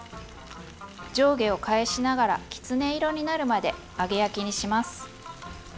上下を返しながらきつね色になるまで揚げ焼きにします。